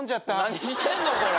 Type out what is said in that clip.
何してんのこれ？